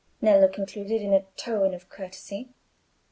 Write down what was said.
Nello concluded, in a tone of courtesy.